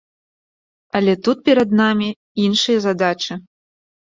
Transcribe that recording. Але тут перад намі іншыя задачы.